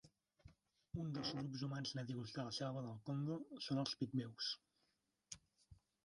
Un dels grups humans nadius de la selva del Congo són els pigmeus.